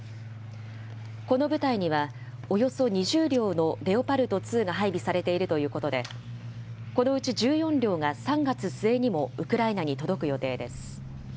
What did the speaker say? この部隊には、およそ２０両のレオパルト２が配備されているということで、このうち１４両が３月末にもウクライナに届く予定です。